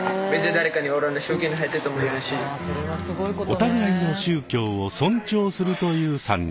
お互いの宗教を尊重するという３人。